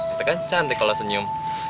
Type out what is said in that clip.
itu kan cantik kalau senyum